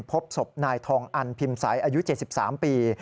พบศพนายทองอันพิมพ์ใสอายุ๗๓ปี